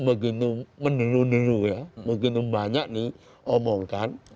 begitu mendiru diru ya begitu banyak nih omongkan